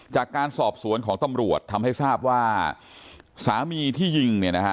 จากการสอบสวนของตำรวจทำให้ทราบว่าสามีที่ยิงเนี่ยนะฮะ